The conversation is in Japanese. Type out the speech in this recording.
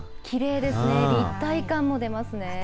きれいですね、立体感も出ますね。